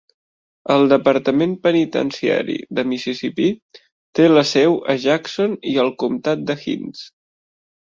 El Departament penitenciari de Mississipí té la seu a Jackson i al comtat de Hinds.